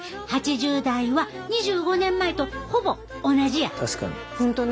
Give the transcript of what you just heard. ８０代は２５年前とほぼ同じや。